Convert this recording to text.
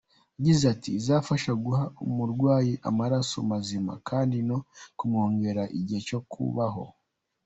Yagize ati “ Izafasha guha umurwayi amaraso mazima, kandi ni ukumwongerera igihe cyo kubaho.